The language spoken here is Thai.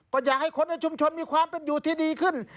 ก็อยากให้คนในชุมชนมีความเป็นอยู่ที่ดีขึ้น